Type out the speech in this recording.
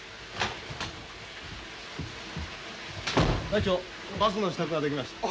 会長バスの支度ができました。